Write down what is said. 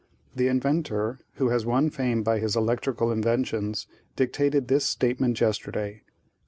The inventor, who has won fame by his electrical inventions, dictated this statement yesterday.